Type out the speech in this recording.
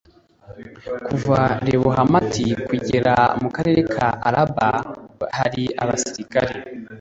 kuva lebohamati kugera mu karere ka araba hari abasirikare